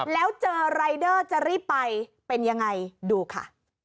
แล้วเจอรายเดอร์จะรีบไปเป็นยังไงดูค่ะ